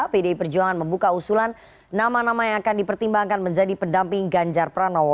pdi perjuangan membuka usulan nama nama yang akan dipertimbangkan menjadi pendamping ganjar pranowo